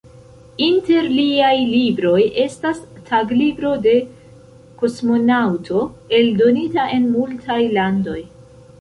Inter liaj libroj estas "Taglibro de kosmonaŭto", eldonita en multaj landoj.